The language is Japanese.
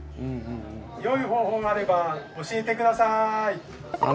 よい方法があれば教えて下さい。